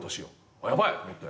あっヤバいと思って。